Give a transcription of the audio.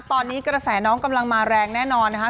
ตอนนี้กระแสน้องกำลังมาแรงแน่นอนนะคะ